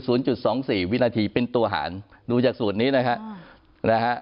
จุดสองสี่วินาทีเป็นตัวหารดูจากสูตรนี้นะฮะนะฮะ